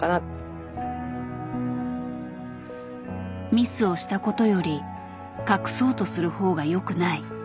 ミスをしたことより隠そうとする方が良くない。